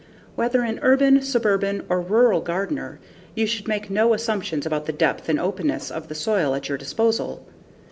Whether an urban, suburban, or rural gardener, you should make no assumptions about the depth and openness of the soil at your disposal.